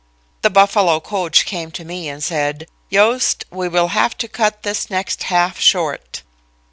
"The Buffalo coach came to me and said: "'Yost, we will have to cut this next half short.'